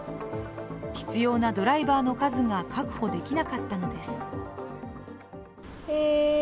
必要なドライバーの数が確保できなかったのです。